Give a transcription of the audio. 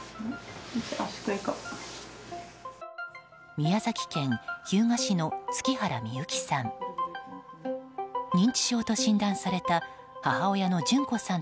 宮崎県日向市の月原美由紀さん。